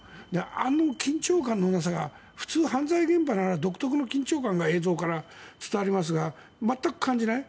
あの緊張感のなさが普通、犯罪の現場なら独特の緊張感が映像から伝わりますが全く感じない。